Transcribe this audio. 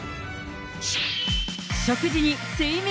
食事に、睡眠。